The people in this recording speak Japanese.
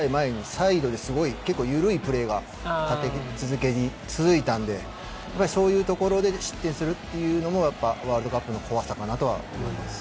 サイドですごい緩いプレーが立て続けに続いたのでそういうところで失点するというのもワールドカップの怖さかなとは思います。